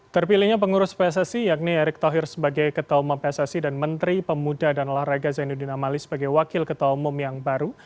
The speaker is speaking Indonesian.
terpilihnya pengurus pssi yakni erick thohir sebagai ketua umum pssi dan menteri pemuda dan olahraga zainuddin amali sebagai wakil ketua umum yang baru